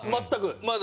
全く？